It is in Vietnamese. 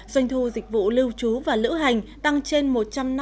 doanh thu dịch vụ lưu trú và lữ hành tăng trên một trăm năm mươi so với năm hai nghìn hai mươi